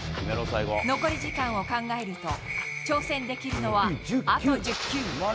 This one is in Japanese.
残り時間を考えると、挑戦できるのはあと１０球。